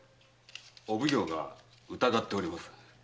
お奉行が疑っております。